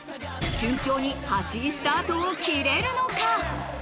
順調に８位スタートを切れるのか？